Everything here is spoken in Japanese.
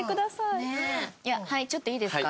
はいちょっといいですか？